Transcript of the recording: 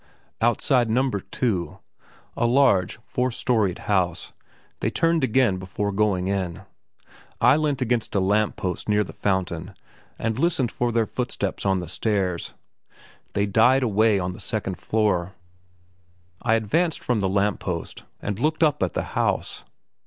Outside No. 2, a large four storeyed house, they turned again before going in. I leant against a lamp post near the fountain and listened for their footsteps on the stairs. They died away on the second floor. I advanced from the lamp post and looked up at the house.